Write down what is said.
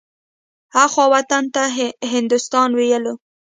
اخوا وطن ته هندوستان ويلو.